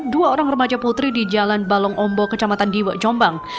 dua orang remaja putri di jalan balong ombok kecamatan diwe jombang